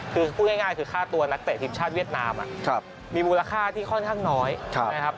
คือพูดง่ายคือค่าตัวนักเตะทีมชาติเวียดนามมีมูลค่าที่ค่อนข้างน้อยนะครับ